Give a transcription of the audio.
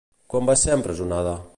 Quan va ser empresonada?